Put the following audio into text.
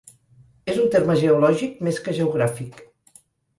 És un terme geològic més que geogràfic.